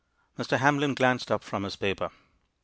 Mr. Hamlin glanced up from his paper.